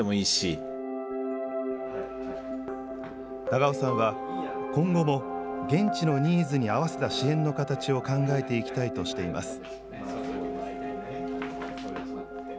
長尾さんは、今後も現地のニーズに合わせた支援の形を考えていきたいとしています。